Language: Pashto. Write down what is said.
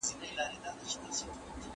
¬ څه مو کول، چي پلار او نيکه مو کول.